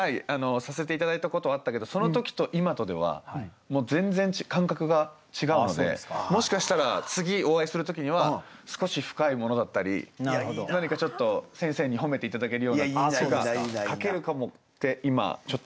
させて頂いたことはあったけどその時と今とではもう全然感覚が違うのでもしかしたら次お会いする時には少し深いものだったり何かちょっと先生に褒めて頂けるような句が書けるかもって今ちょっと。